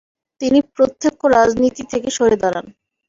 তিনি প্রত্যক্ষ রাজনীতি থেকে সরে দাঁড়ান।